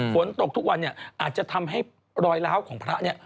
ฝนตกทุกวันเนี่ยอาจจะทำให้รอยล้าวของพระเนี่ย